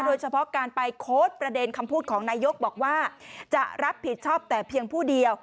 โดยเฉพาะการไปโค้ดประเด็นคำพูดของนายกบอกว่าจะรับผิดชอบแต่เพียงผู้เดียว